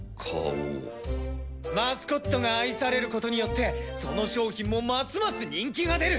マスコットが愛されることによってその商品もますます人気が出る！